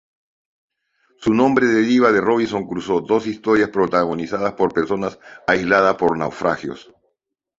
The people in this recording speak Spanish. Su nombre deriva de Robinson Crusoe, dos historias protagonizadas por personas aisladas por naufragios.